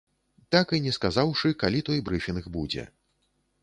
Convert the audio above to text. Так і не сказаўшы, калі той брыфінг будзе.